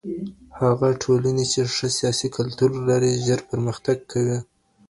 هغه ټولنې چې ښه سیاسي کلتور لري ژر پرمختګ کوي.